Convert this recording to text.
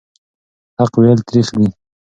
حق ویل تریخ دي.